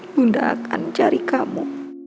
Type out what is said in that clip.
bunda akan cari kamu